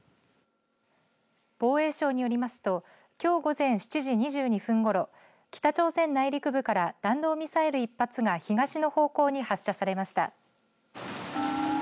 防衛省によりますときょう午前７時２２分ごろ北朝鮮内陸部から弾道ミサイル１発が東の方向に発射されました。